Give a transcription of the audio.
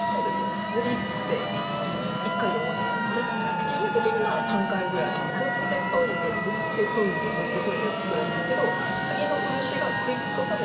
塗りって１回で終わらないので基本的にまあ３回ぐらい塗って研いで塗って研いで塗って研いでをするんですけど次の漆が食いつくために研ぐんです。